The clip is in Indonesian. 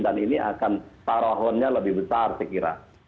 dan ini akan parahannya lebih besar sekiranya